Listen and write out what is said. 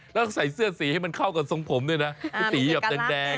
แล้วก็ใส่เสื้อสีให้มันเข้ากับทรงผมด้วยนะสีแบบแดง